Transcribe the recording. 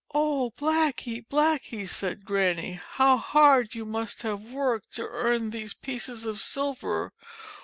"Oh, Blackie, Blackie/' said Granny, "how hard you must have worked to earn these pieces of silver